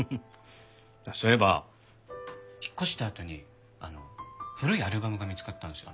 そういえば引っ越したあとに古いアルバムが見つかったんですよ